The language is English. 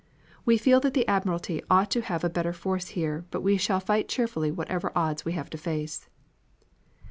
We feel that the admiralty ought to have a better force here, but we shall fight cheerfully whatever odds we have to face."